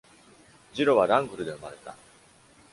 Gillot は Langres で生まれた。